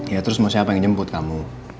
ya terus mau siapa yang jemput kamu